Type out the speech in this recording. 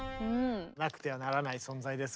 なくてはならない存在です